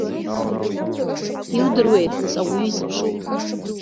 Иудыруеи, нас, ауаҩы изыԥшу?